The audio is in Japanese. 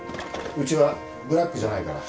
うちはブラックじゃないから。